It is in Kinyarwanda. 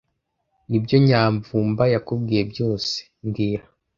Nibyo Nyamvumba yakubwiye byose mbwira